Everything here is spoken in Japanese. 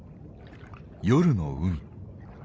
夜の海。